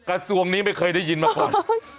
กระทรวงนี้ไม่เคยได้ยินมาก่อน